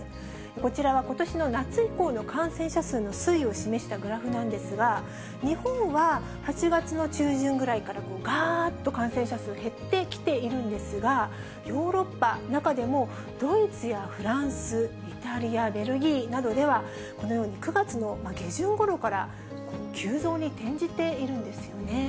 こちらはことしの夏以降の感染者数の推移を示したグラフなんですが、日本は８月の中旬ぐらいからがーっと感染者数、減ってきているんですが、ヨーロッパ、中でもドイツやフランス、イタリア、ベルギーなどでは、このように、９月の下旬ごろから急増に転じているんですよね。